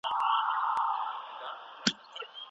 د سوکاله ژوند لپاره په ګډه تصميم ونيسئ.